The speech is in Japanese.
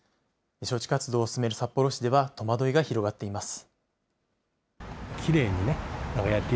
招致活動を進める札幌市では、戸惑いが広がっています。